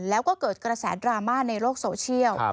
แล้วก็เกิดกระแสดราม่าในโลกโซเชียล